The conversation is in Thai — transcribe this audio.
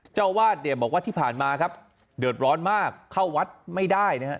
เจ้าวาดเนี่ยบอกว่าที่ผ่านมาครับเดือดร้อนมากเข้าวัดไม่ได้นะฮะ